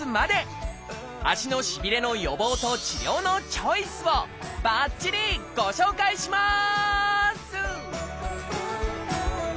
足のしびれの予防と治療のチョイスをばっちりご紹介します！